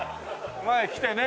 前来てね